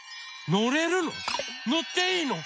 のっていいの？